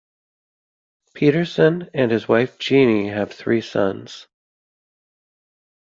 Pederson and his wife Jeannie have three sons.